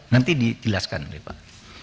nanti dijelaskan oleh pak